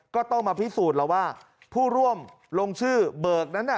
ก็ต้องมาพิสูจน์แล้วว่าผู้ร่วมลงชื่อเบิกนั้นน่ะ